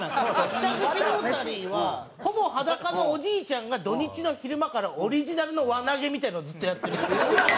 北口ロータリーはほぼ裸のおじいちゃんが土日の昼間からオリジナルの輪投げみたいなのをずっとやってるんですよ。